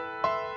sampai jumpa lagi